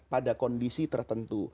pada kondisi tertentu